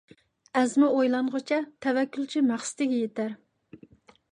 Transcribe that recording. ئەزمە ئويلانغۇچە تەۋەككۈلچى مەقسىتىگە يېتەر.